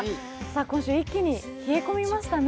今週一気に冷え込みましたね。